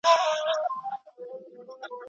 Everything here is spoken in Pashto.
موږ له ډېرې مودي راهیسې پښتو مطالعه کوو.